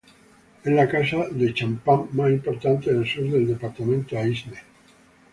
Es la casa de champán más importante del sur del departamento Aisne.